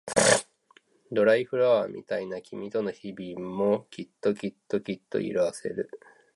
ドライフラワーみたい君との日々もきっときっときっと色あせる